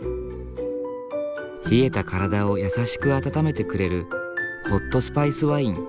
冷えた体を優しく温めてくれるホットスパイスワイン。